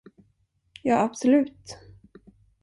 Ja, absolut.